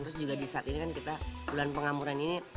terus juga disaat ini kan kita bulan pengamuran ini